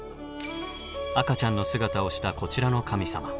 赤ちゃんの姿をしたこちらの神様。